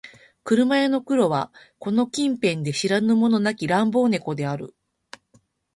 車屋の黒はこの近辺で知らぬ者なき乱暴猫である